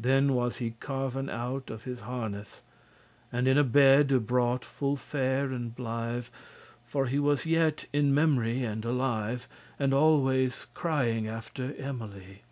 Then was he carven* out of his harness. *cut And in a bed y brought full fair and blive* *quickly For he was yet in mem'ry and alive, And always crying after Emily.